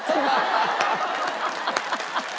ハハハハハ！